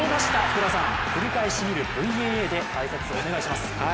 福田さん、繰り返し見るＶＡＡで解説お願いします。